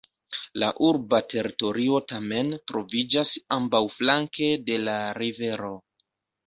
La urba teritorio tamen troviĝas ambaŭflanke de la rivero.